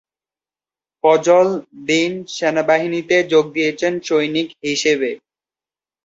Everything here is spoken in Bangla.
ফজল দ্বীন সেনাবাহিনীতে যোগ দিয়েছেন সৈনিক হিসেবে।